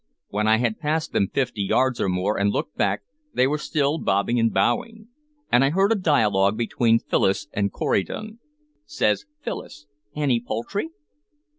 When I had passed them fifty yards or more, and looked back, they were still bobbing and bowing. And I heard a dialogue between Phyllis and Corydon. Says Phyllis, "Any poultry?"